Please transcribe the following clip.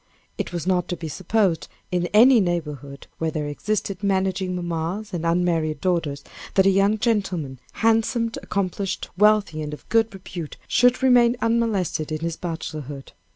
It is not to be supposed, in any neighborhood where there existed managing mammas and unmarried daughters, that a young gentleman, handsome, accomplished, wealthy, and of good repute, should remain unmolested in his bachelorhood.